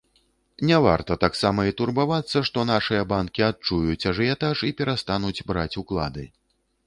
Не варта таксама і турбавацца, што нашыя банкі адчуюць ажыятаж і перастануць браць уклады.